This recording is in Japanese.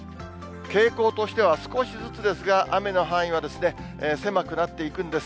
傾向としては、少しずつですが、雨の範囲は狭くなっていくんです。